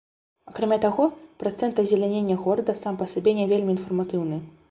Акрамя таго, працэнт азелянення горада сам па сабе не вельмі інфарматыўны.